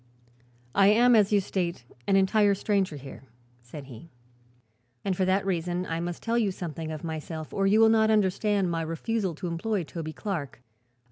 "I am, as you state, an entire stranger here," said he, "and for that reason I must tell you something of myself or you will not understand my refusal to employ Toby Clark.